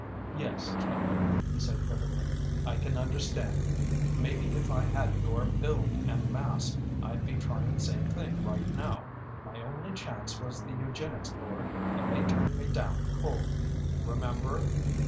"Yes, Kim," he said bitterly. "I can understand. Maybe if I had your build and mass, I'd be trying the same thing right now. My only chance was the Eugenics Board and they turned me down cold. Remember?